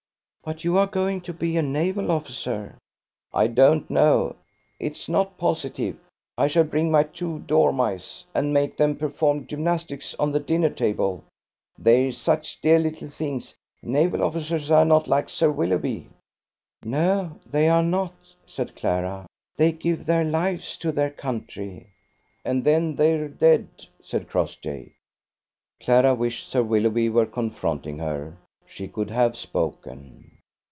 "But you are going to be a naval officer." "I don't know. It's not positive. I shall bring my two dormice, and make them perform gymnastics on the dinnertable. They're such dear little things. Naval officers are not like Sir Willoughby." "No, they are not," said Clara, "they give their lives to their country." "And then they're dead," said Crossjay. Clara wished Sir Willoughby were confronting her: she could have spoken.